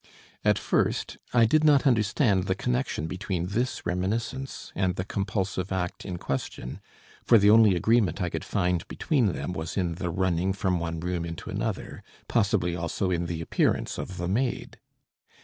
At first I did not understand the connection between this reminiscence and the compulsive act in question, for the only agreement I could find between them was in the running from one room into another, possibly also in the appearance of the maid.